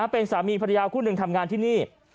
เป็นสามีภรรยาคู่หนึ่งทำงานที่นี่